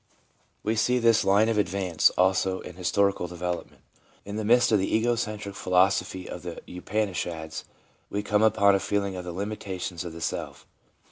We see this line of advance, also, in historical de velopment. In the midst of the ego centric philosophy of the Upanishads, we come upon a feeling of the limita tions of the self.